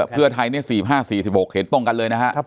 เพื่อไทย๔๕๔๖เห็นตรงกันเลยนะครับ